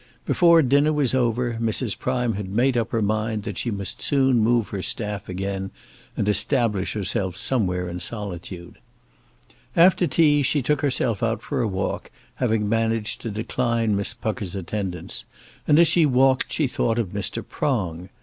Before dinner was over Mrs. Prime had made up her mind that she must soon move her staff again, and establish herself somewhere in solitude. After tea she took herself out for a walk, having managed to decline Miss Pucker's attendance, and as she walked she thought of Mr. Prong.